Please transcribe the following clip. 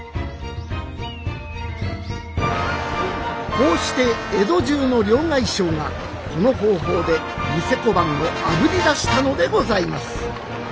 こうして江戸中の両替商がこの方法で贋小判をあぶり出したのでございます